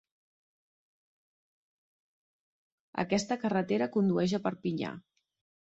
Aquesta carretera condueix a Perpinyà.